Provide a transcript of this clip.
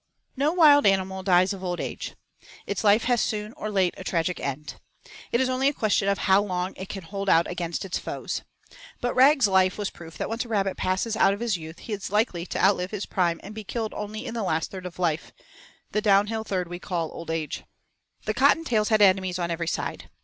VI No wild animal dies of old age. Its life has soon or late a tragic end. It is only a question of how long it can hold out against its foes. But Rag's life was proof that once a rabbit passes out of his youth he is likely to outlive his prime and be killed only in the last third of life, the downhill third we call old age. The Cottontails had enemies on every side.